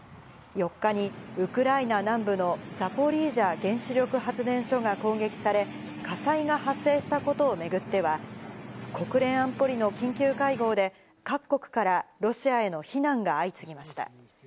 ４日に、ウクライナ南部のザポリージャ原子力発電所が攻撃され、火災が発生したことを巡っては、国連安保理の緊急会合で、各国からロシアへの非難が相次ぎました。